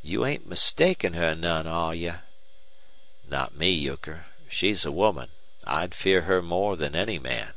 You ain't mistaken her none, are you?" "Not me, Euchre. She's a woman. I'd fear her more than any man."